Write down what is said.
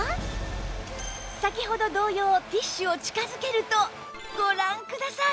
先ほど同様ティッシュを近づけるとご覧ください！